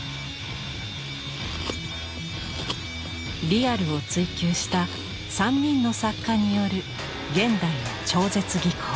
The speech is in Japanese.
リアルを追求した３人の作家による現代の超絶技巧。